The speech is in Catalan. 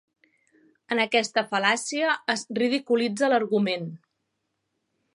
En aquesta fal·làcia es ridiculitza l'argument.